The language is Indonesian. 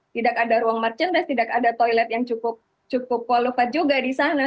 tidak ada ruang merchandise tidak ada toilet yang cukup qualifat juga di sana